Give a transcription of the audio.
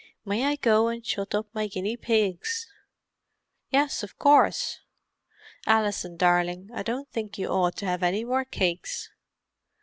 "May I go and shut up my guinea pigs?" "Yes, of course. Alison darling, I don't think you ought to have any more cakes."